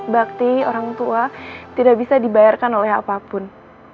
bakti orang tua tidak bisa dibayarkan oleh apapun